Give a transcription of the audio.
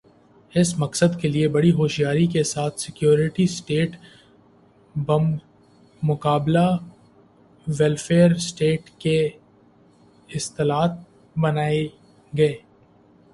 اس مقصد کے لئے بڑی ہوشیاری کے ساتھ سیکورٹی سٹیٹ بمقابلہ ویلفیئر سٹیٹ کی اصطلاحات بنائی گئیں۔